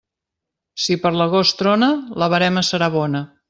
Si per l'agost trona, la verema serà bona.